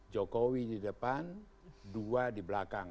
jokowi di depan dua di belakang